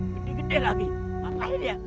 gede gede lagi apaan ini ya